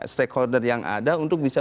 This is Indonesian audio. stakeholder yang ada untuk bisa